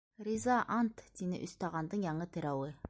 - Риза, ант! - тине «Өс таған» дың яңы терәүе.